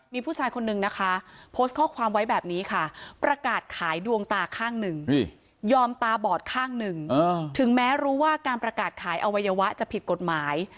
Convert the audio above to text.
มีผู้ชายคนนึงนะคะโพสต์ข้อความไว้แบบนี้ค่ะประกาศขายดวงตาข้างหนึ่งยอมตาบอดข้างหนึ่งถึงแม้รู้ว่าการประกาศขายอวัยวะจะผิดกฎหมาย